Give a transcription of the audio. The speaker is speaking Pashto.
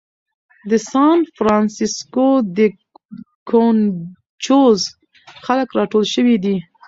د سان فرانسیسکو دې کونچوز خلک راټول شوي دي.